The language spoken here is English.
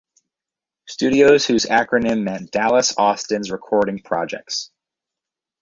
Studios, whose acronym meant "Dallas Austin's Recording Projects".